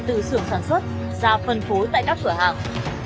từ sưởng sản xuất ra phân phối tại các cửa hàng